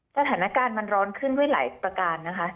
สถานการณ์มันร้อนขึ้นด้วยหลายประการนะคะ